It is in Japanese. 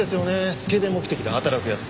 スケベ目的で働く奴。